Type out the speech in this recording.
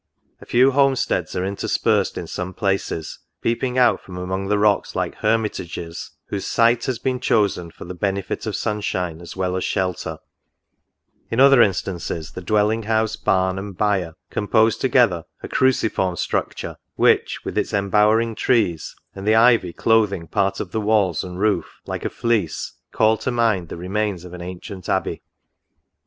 A few home steads are interspersed in some places, peeping out from among the rocks like hermitages, whose scite has been chosen for the benefit of sun shine as well as shelter ; in other instances, the dwelling house, barn, and byer, compose together a cruciform structure, which, with its embowering trees and the ivy clothing part of the walls and roof, like a fleece, call to mind the remains of an ancient abbey.